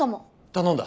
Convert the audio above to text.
頼んだ。